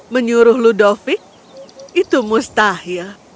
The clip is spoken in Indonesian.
menyuruh ludovic itu mustahil